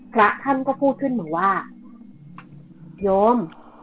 พระท่านก็พูดขึ้นมาว่าโยม